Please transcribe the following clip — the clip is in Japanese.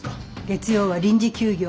月曜は臨時休業。